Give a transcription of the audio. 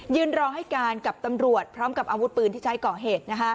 รอให้การกับตำรวจพร้อมกับอาวุธปืนที่ใช้ก่อเหตุ